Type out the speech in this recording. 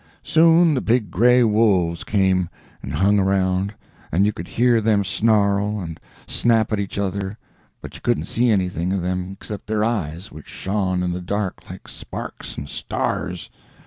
"Soon the big gray wolves came, and hung around, and you could hear them snarl, and snap at each other, but you couldn't see anything of them except their eyes, which shone in the dark like sparks and stars.